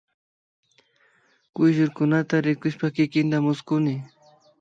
Kuyllurkunata rikushpa kikinta mushkuni